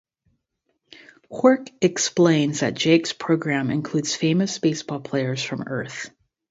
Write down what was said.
Quark explains that Jake's program includes famous baseball players from Earth.